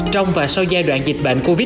trong và sau giai đoạn dịch bệnh quốc tế